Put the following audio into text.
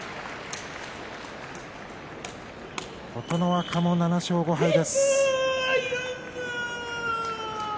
琴ノ若も７勝５敗です。